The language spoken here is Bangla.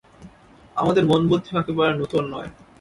আমাদের মনবুদ্ধিও একেবারে নূতন নয়।